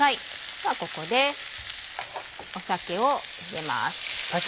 ではここで酒を入れます。